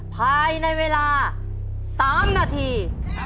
ภายในเวลา๓นาที